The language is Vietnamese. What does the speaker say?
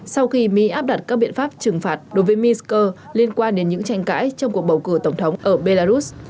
sau khi mỹ áp đặt các biện pháp trừng phạt đối với minsk liên quan đến những tranh cãi trong cuộc bầu cử tổng thống ở belarus